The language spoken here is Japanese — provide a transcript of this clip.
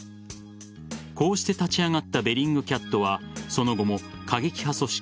こうして立ち上がったベリングキャットはその後も過激派組織